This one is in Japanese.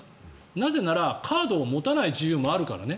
なぜならカードを持たない自由もあるからね。